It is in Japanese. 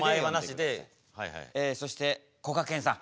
そしてこがけんさん。